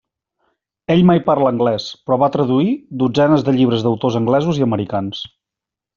Ell mai parlà anglès, però va traduir dotzenes de llibres d'autors anglesos i americans.